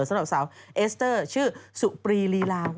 สำหรับสาวเอสเตอร์ชื่อสุปรีลีลาว